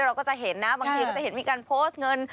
เราก็จะเห็นนะบางทีก็จะเห็นมีการโพสต์เงิน